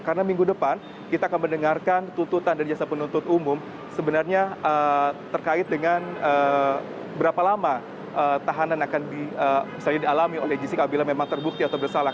karena minggu depan kita akan mendengarkan tuntutan dari jasa penuntut umum sebenarnya terkait dengan berapa lama tahanan akan misalnya dialami oleh jessica bila memang terbukti atau bersalah